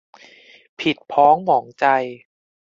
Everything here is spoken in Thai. ผิดพ้องหมองใจ